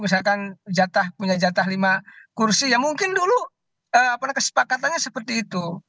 misalkan punya jatah lima kursi ya mungkin dulu kesepakatannya seperti itu